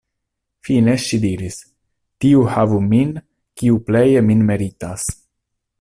Fine ŝi diris: "Tiu havu min, kiu pleje min meritas".